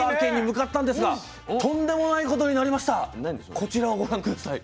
こちらをご覧下さい。